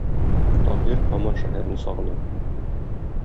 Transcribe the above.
Таһир һаман шәһәрне сагына.